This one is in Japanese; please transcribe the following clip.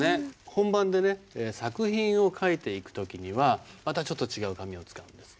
本番で作品を書いていく時にはまたちょっと違う紙を使うんです。